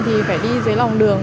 thì phải đi dưới lòng đường